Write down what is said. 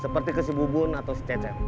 seperti kesibubun atau sececem